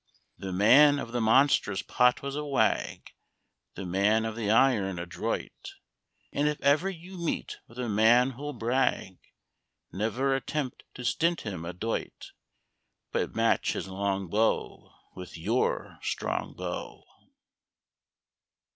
The man of the monstrous pot was a wag, The man of the iron adroit; And if ever you meet with a man who'll brag, Never attempt to stint him a doit, But match his long bow with your strong bow.